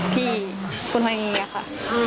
พี่คุณฮัยงี้ค่ะ